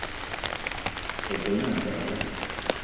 O be ma ndekle